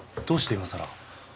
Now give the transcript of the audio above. どうしていまさら？